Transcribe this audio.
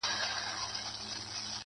بيا يوازيتوب دی بيا هغه راغلې نه ده.